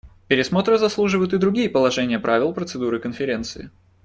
Пересмотра заслуживают и другие положения правил процедуры Конференции.